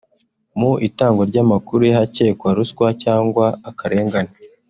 Mu itangwa ry’amakuru y’ahakekwa ruswa cyangwa akarengane